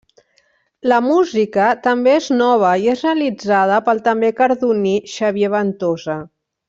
La música també és nova i és realitzada pel també cardoní Xavier Ventosa.